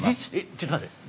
ちょっと待って下さい。